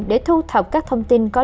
để thu thập các thông tin có lợi